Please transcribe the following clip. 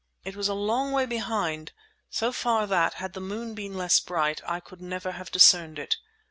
It was a long way behind—so far that, had the moon been less bright, I could never have discerned it.